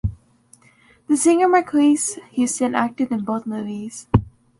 The singer Marques Houston acted in both movies.